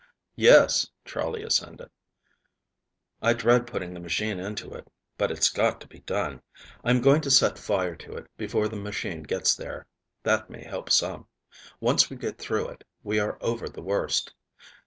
"Yes," Charley assented. "I dread putting the machine into it, but it's got to be done. I am going to set fire to it before the machine gets there; that may help some. Once we get through it, we are over the worst.